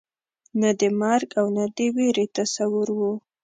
نه د مرګ او نه د وېرې تصور وو.